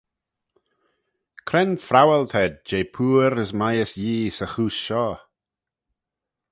Cre'n phrowal t'ayd jeh pooar as mieys Yee 'sy chooish shoh?